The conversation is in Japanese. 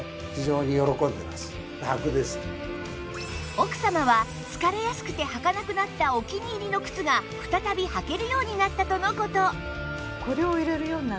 奥様は疲れやすくて履かなくなったお気に入りの靴が再び履けるようになったとの事